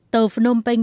tờ phnom penh